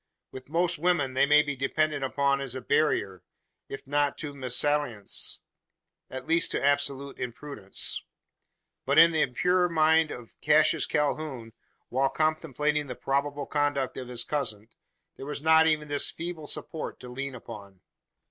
With most women this may be depended upon as a barrier, if not to mesalliance, at least to absolute imprudence; but in the impure mind of Cassius Calhoun, while contemplating the probable conduct of his cousin, there was not even this feeble support to lean upon!